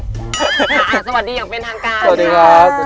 สวัสดีครับ